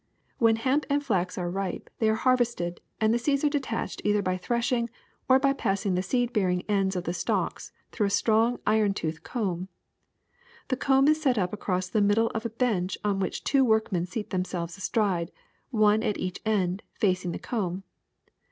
''When hemp and flax are ripe they are harvested and the seeds are detached either by threshing or by passing the seed bearing ends of the stalks through a strong iron toothed comb. The comb is set up across the middle of a bench on which two workmen seat themselves astride, one at each end, facing the comb.